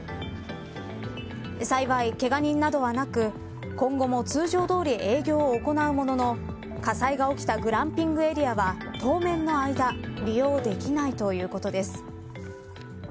幸い、けが人などはなく今後も通常どおり営業を行うものの火災が起きたグランピングエリアは当面の間利用できないということです。